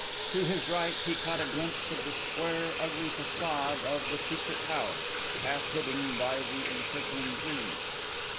To his right he caught a glimpse of the square ugly façade of the Secret House, half hidden by the encircling trees.